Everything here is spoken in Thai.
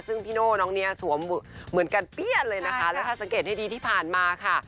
ซึ่งพี่โน่น้องเนี้ยสวมเหมือนกันเปี้ยนเลยนะคะแล้วถ้าสังเกตให้ดีที่ผ่านมาค่ะ